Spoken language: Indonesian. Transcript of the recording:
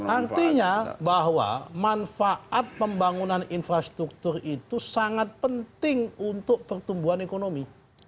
artinya bahwa manfaat pembangunan infrastruktur itu sangat penting untuk pertumbuhan ekonomi